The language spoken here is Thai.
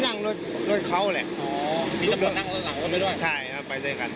ก็นั่งรถเขาแหละอ๋อนั่งรถกันไปด้วยใช่ไปด้วยกัน